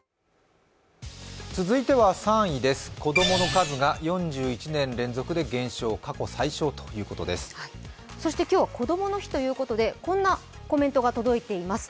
続いては３位です、子供の数が４１年連続で減少、今日はこどもの日ということでこんなコメントが届いています。